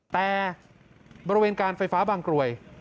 แต่บริเวณการไฟฟ้าบางกรวย